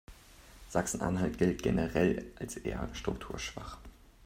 Sachsen-Anhalt gilt generell als eher strukturschwach.